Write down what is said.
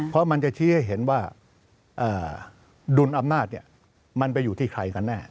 เพราะมันจะชี้ให้เห็นว่าดุลอำนาจมันไปอยู่ที่ใครกันแน่